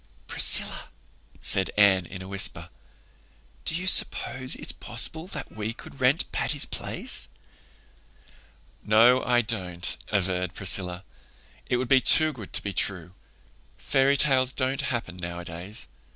"Priscilla," said Anne, in a whisper, "do you suppose it's possible that we could rent Patty's Place?" "No, I don't," averred Priscilla. "It would be too good to be true. Fairy tales don't happen nowadays.